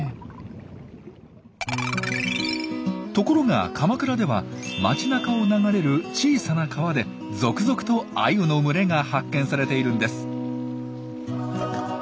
ところが鎌倉では街なかを流れる小さな川で続々とアユの群れが発見されているんです。